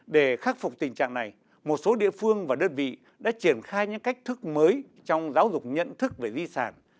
để khắc phục tình trạng này một số địa phương và đơn vị đã triển khai những cách thức mới trong giáo dục nhận thức về di sản